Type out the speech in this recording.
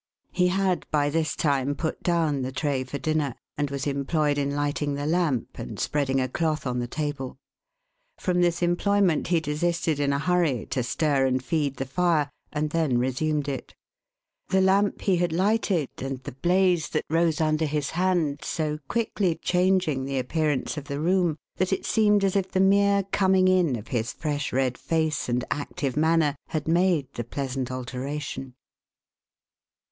11 He had, by this time, put down the tray for dinner, And was employed in lighting the lamp, and spreading a cloth on the table. From this employment he desisted in a hurry, to stir and feed the fire, and then resumed it ; the lamp he had lighted, and the blaze that rose under his hand, so quickly changing the appearance of the room, that it seemed as if the mere coming in of his fresh red face and active manner had made the pleasant alteration.